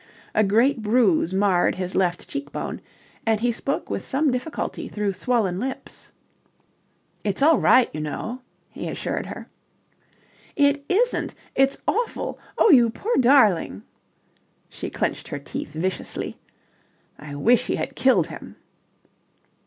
A great bruise marred his left cheek bone, and he spoke with some difficulty through swollen lips. "It's all right, you know," he assured her. "It isn't. It's awful! Oh, you poor darling!" She clenched her teeth viciously. "I wish he had killed him!"